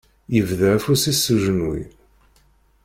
Yebḍa afus-is s ujenwi.